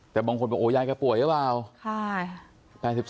แต่บางคนบอกโอ้ยายแกป่วยหรือเปล่า